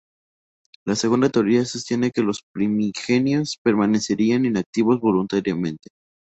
La segunda teoría sostiene que los Primigenios permanecerían inactivos voluntariamente.